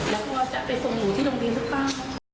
แล้วพ่อจะไปส่งหนูที่โรงพิวส์หรือเปล่า